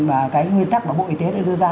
mà cái nguyên tắc mà bộ y tế đã đưa ra